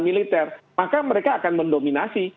militer maka mereka akan mendominasi